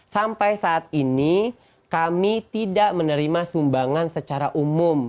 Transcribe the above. sampai saat ini kami tidak menerima sumbangan secara umum